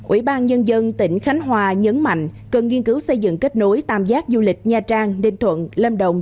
ủy ban nhân dân tỉnh khánh hòa nhấn mạnh cần nghiên cứu xây dựng kết nối tam giác du lịch nha trang ninh thuận lâm đồng